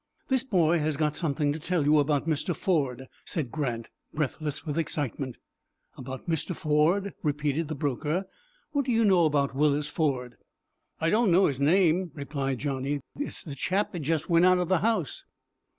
"This boy has got something to tell you about Mr. Ford," said Grant, breathless with excitement. "About Mr. Ford?" repeated the broker. "What do you know about Willis Ford?" "I don't know his name," replied Johnny. "It's the chap that just went out of the house."